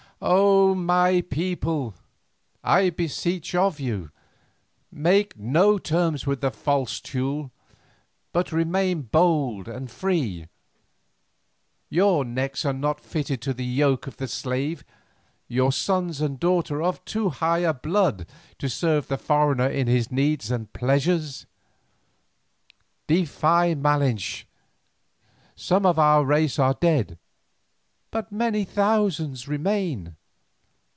"Oh! my people, my people, I beseech of you, make no terms with the false Teule, but remain bold and free. Your necks are not fitted to the yoke of the slave, your sons and daughters are of too high a blood to serve the foreigner in his needs and pleasures. Defy Malinche. Some of our race are dead, but many thousands remain.